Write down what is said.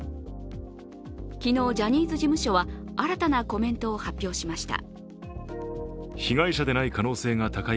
昨日、ジャニーズ事務所は新たなコメントを発表しました。